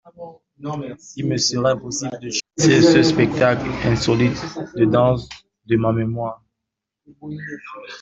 Il me sera impossible de chasser ce spectacle insolite de danse de ma mémoire.